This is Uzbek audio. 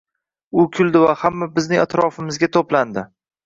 U kuldi va hamma bizning atrofimizga to‘plandi.